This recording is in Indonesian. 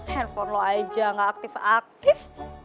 handphone law aja gak aktif aktif